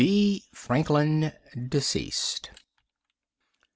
B. Franklin, Deceased.